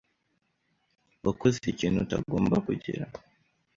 Wakoze ikintu utagomba kugira?